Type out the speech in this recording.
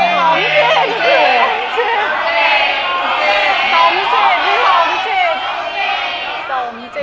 สมจิต